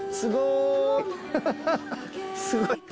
すごいね。